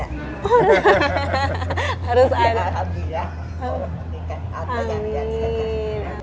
alhamdulillah orang pemerintah atau yang tidak suka kaya ibu